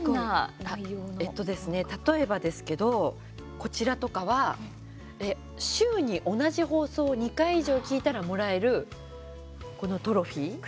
例えばですけどこちらとかは、週に同じ放送を２回以上、聞いたらもらえるこのトロフィー。